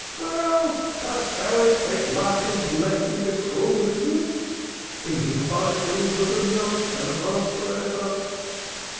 "Well, dost thou expect luck and blessing to crawl into it? Even five shillings' worth of nash cannot last for ever.